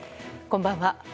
こんばんは。